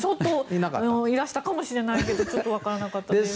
いらしたかもしれないですがちょっとわからなかったです。